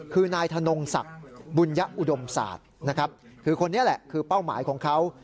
คือนายธนงศักดิ์บุญญะอุดมศาสตร์นะครับคือคนนี้แหละคือเป้าหมายของเขา